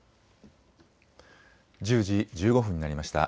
１０時１５分になりました。